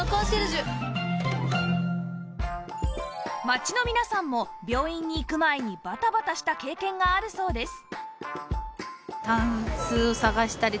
街の皆さんも病院に行く前にバタバタした経験があるそうです